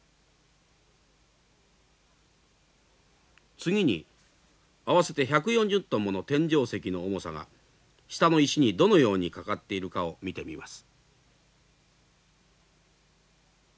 次に合わせて１４０トンもの天井石の重さが下の石にどのようにかかっているかを見てみます。